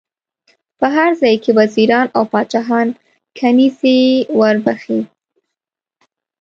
په هر ځای کې وزیران او پاچاهان کنیزي ور بخښي.